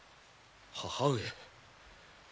母上。